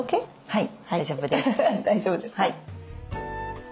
はい。